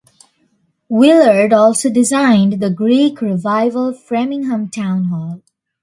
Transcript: Willard also designed the Greek Revival Framingham Town Hall.